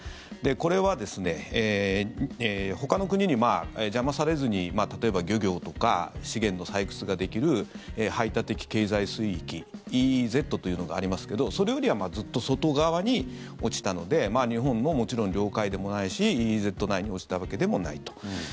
これはほかの国に邪魔されずに例えば漁業とか資源の採掘ができる排他的経済水域・ＥＥＺというのがありますけどそれよりはずっと外側に落ちたので日本も、もちろん領海でもないしＥＥＺ内に落ちたわけでもない。